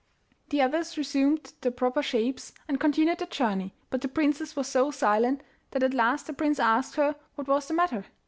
The others resumed their proper shapes and continued their journey, but the princess was so silent that at last the prince asked her what was the matter.